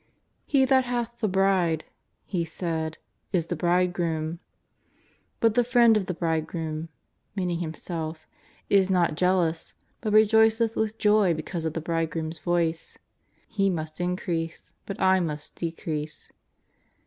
^^ He thot hath the bride,'' he said, " is the Bridegroom, but the friend o> 153 154 JESUS OF NAZAEETH. the Bridegroom," meaning himself, " is not jealous, but rejoiceth with joy because of the Bridegroom's voice. He must increase, but I must decrease."